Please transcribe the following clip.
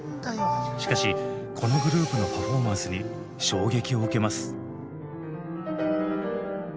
しかしこのグループのパフォーマンスに衝撃を受けます。